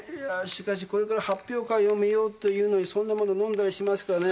しかしこれから発表会を見ようというのにそんなもの飲んだりしますかね？